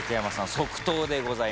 即答でございました。